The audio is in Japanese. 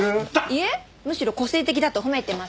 いえむしろ個性的だと褒めてます。